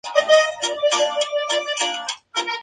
La siguiente noche, perdió frente a Mark Briscoe.